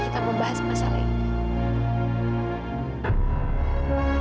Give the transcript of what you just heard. dokter efendi masih memeriksa taufan